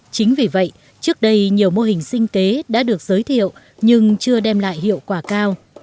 chính vì vậy trước đây nhiều mô hình sinh kế đã được giới thiệu nhưng chưa đem lại hiệu quả cao